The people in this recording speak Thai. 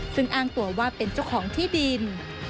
ซึ่งอ้างตัวว่าเป็นเจ้าของที่ดิน